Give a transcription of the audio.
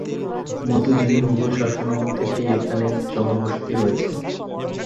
মধ্যযুগে মোগল শাসনামল থেকেই এখানে জনবসতি রয়েছে।